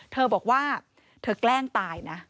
เธอบอกว่าเธอแกล้งตายนะ